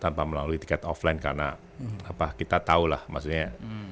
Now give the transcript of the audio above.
tanpa melalui tiket offline karena apa kita tahulah maksudnya